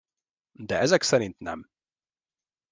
De ezek szerint nem.